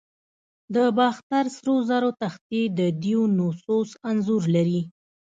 د باختر سرو زرو تختې د دیونوسوس انځور لري